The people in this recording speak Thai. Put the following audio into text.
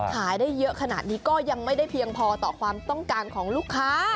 ขายได้เยอะขนาดนี้ก็ยังไม่ได้เพียงพอต่อความต้องการของลูกค้า